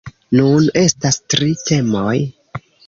Nun estas tri temoj.